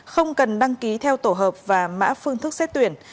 không cần đăng ký theo tổ hợp và mã phương thức xét tuyển